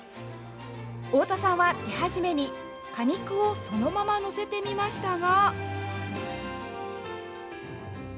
太田さんは、手始めに果肉をそのままのせてみましたが。